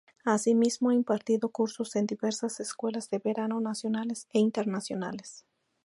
Asimismo, ha impartido cursos en diversas escuelas de verano nacionales e internacionales.